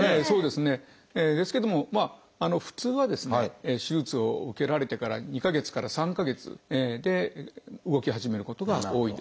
ですけども普通はですね手術を受けられてから２か月から３か月で動き始めることが多いです。